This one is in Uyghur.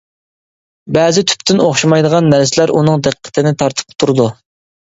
بەزى تۈپتىن ئوخشىمايدىغان نەرسىلەر ئۇنىڭ دىققىتىنى تارتىپ تۇرىدۇ.